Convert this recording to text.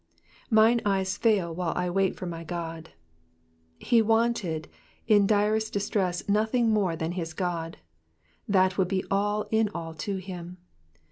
^^Mine eyes fail tohile I toait for my Ood,'''' He wanted in his direst distress nothing more than his God ; that would be all in all to him.